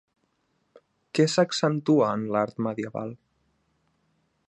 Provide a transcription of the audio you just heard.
Què s'accentua en l'art medieval?